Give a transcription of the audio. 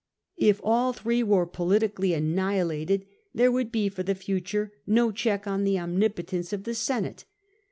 If all three were politically annihilated, there would be for the future no check on the omnipotence of the Senate.